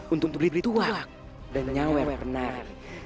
untuk beli beli tuak dan nyawar nari